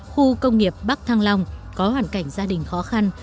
khu công nghiệp bắc thăng long có hoàn cảnh gia đình khó khăn